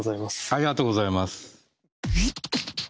ありがとうございます。